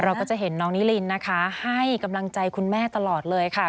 เราก็จะเห็นน้องนิรินนะคะให้กำลังใจคุณแม่ตลอดเลยค่ะ